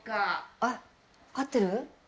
あっ、会ってる？